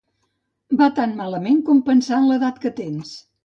Va tan malament com pensar en l'edat que tens.